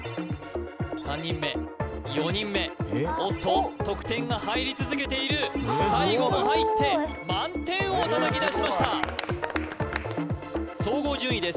３人目４人目おっと得点が入り続けている最後も入って満点を叩き出しました総合順位です